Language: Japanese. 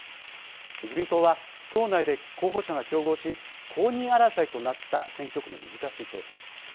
自民党は、党内で候補者が競合し公認争いとなった選挙区の難しい調整。